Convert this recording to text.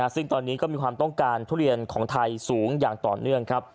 ซึ่งตอนนี้ก็มีความต้องการทุเรียนของไทยสูงอย่างต่อเนื่อง